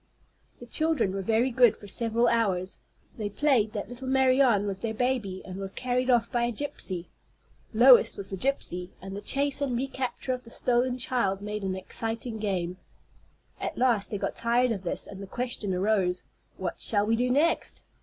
The children were very good for several hours. They played that little Marianne was their baby, and was carried off by a gypsy. Lois was the gypsy, and the chase and recapture of the stolen child made an exciting game. At last they got tired of this, and the question arose: "What shall we do next?"